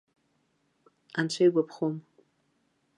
Анцәа игәаԥхом.